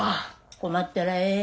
困ったらええ。